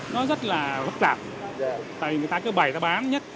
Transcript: nó rất là phức tạp tại vì người ta cứ bày người ta bám nhất